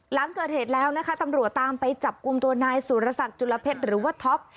หลังเกิดเหตุแล้วนะคะตำรวจตามไปจับกลุ่มตัวนายสุรสักจุลเพชรหรือว่าท็อป